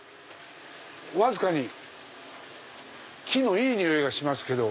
わずかに木のいい匂いがしますけども。